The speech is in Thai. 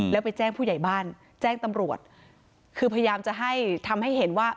แล้วไปแจ้งผู้ใหญ่บ้านแจ้งตำรวจคือพยายามจะให้ทำให้เห็นว่า